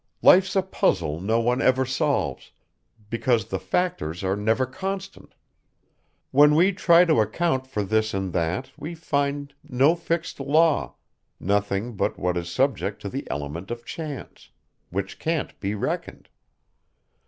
Life's a puzzle no one ever solves, because the factors are never constant. When we try to account for this and that we find no fixed law, nothing but what is subject to the element of chance which can't be reckoned.